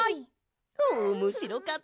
おもしろかったな。